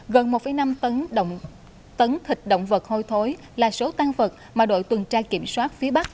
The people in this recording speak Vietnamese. gần một năm tấn thịt động vật hôi thối là số tan vật mà đội tuần tra kiểm soát phía bắc